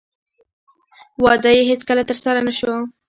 واده یې هېڅکله ترسره نه شو